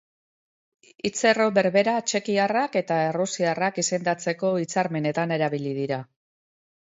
Hitz-erro berbera txekiarrak eta errusiarrak izendatzeko hitzarmenetan erabili dira.